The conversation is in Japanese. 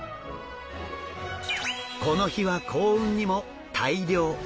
この日は幸運にも大漁！